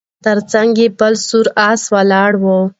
تر څنګ یې بل سور آس ولاړ و